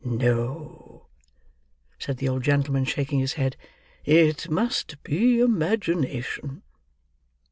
"No," said the old gentleman, shaking his head; "it must be imagination."